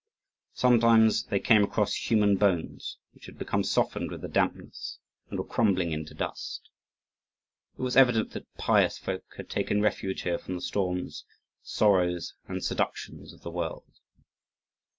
Sometimes they came across human bones which had become softened with the dampness and were crumbling into dust. It was evident that pious folk had taken refuge here from the storms, sorrows, and seductions of the world.